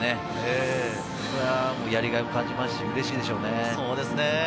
やりがいを感じますし、うれしいでしょうね。